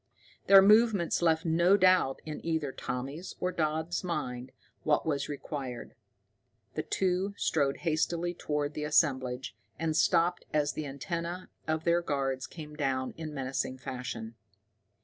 Their movements left no doubt in either Tommy's or Dodd's mind what was required. The two strode hastily toward the assemblage, and stopped as the antenna of their guards came down in menacing fashion.